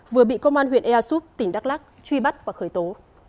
vừa bị công an huyện easup tỉnh đắk lắc truy bắt và khởi tố